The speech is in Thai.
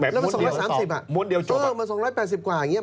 แล้วมันสองร้อยสามสิบ